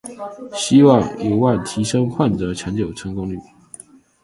未来有望提升患者抢救成功率